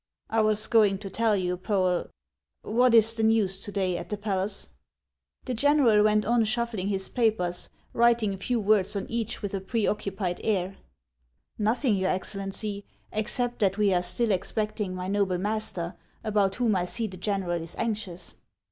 " I was going to tell you, Poel — What is the news to day at the palace ?" The general went on shuffling his papers, writing a few words on each with a preoccupied air. " Xothiug, your Excellency, except that we are still ex pecting my noble master, about whom I see the general is anxious."